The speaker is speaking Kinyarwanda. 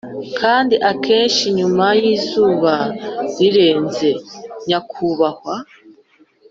“kandi akenshi nyuma y'izuba rirenze, nyakubahwa,